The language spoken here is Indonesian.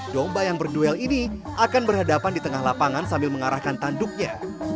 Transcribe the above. domba yang berduel ini akan berhadapan di tengah lapangan sambil mengarahkan tanduknya